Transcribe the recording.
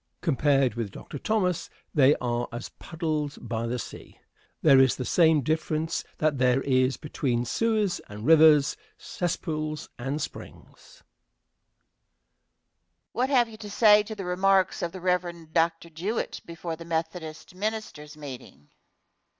Compared with Dr. Thomas, they are as puddles by the sea. There is the same difference that there is between sewers and rivers, cesspools and springs. Question. What have you to say to the remarks of the Rev. Dr. Jewett before the Methodist ministers' meeting?